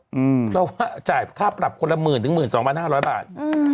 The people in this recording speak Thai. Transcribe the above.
หมดแล้วเพราะว่าจ่ายค่าปรับคนละ๑๐๐๐๐ถึง๑๒๕๐๐บาท